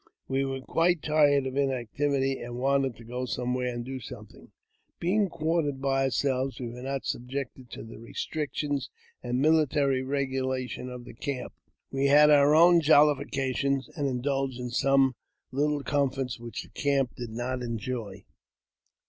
We were quite tired of inactivity, and wanted to go somewhere or do something. Being quartered by ourselves, we were not subjected to the restrictions and military regulations of the camp; we had our own jollifications, and indulged in some little comforts which the camp did not enjoy.